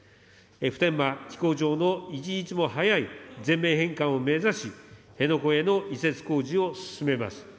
普天間飛行場の一日も早い全面返還を目指し、辺野古への移設工事を進めます。